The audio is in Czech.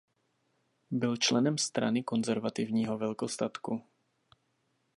Byl členem Strany konzervativního velkostatku.